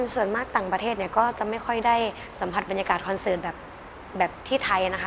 ส่วนมากต่างประเทศเนี่ยก็จะไม่ค่อยได้สัมผัสบรรยากาศคอนเสิร์ตแบบที่ไทยนะคะ